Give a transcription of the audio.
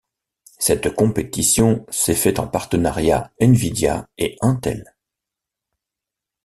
Cette compétition s'est fait en partenariat Nvidia et Intel.